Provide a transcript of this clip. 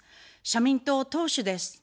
社民党党首です。